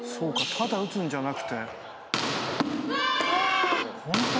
ただ打つんじゃなくて。